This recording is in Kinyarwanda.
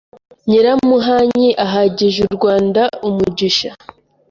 Nyiramuhanyi ahagije u Rwanda umugisha